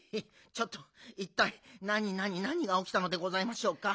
ちょっといったいなになになにがおきたのでございましょうか？